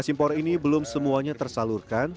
impor ini belum semuanya tersalurkan